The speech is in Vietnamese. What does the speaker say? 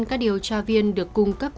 các điều tra viên được cung cấp